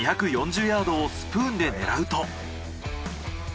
２４０ヤードをスプーンで狙うと。